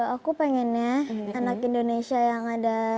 aku pengennya anak indonesia yang ada